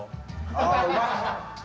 あうまい！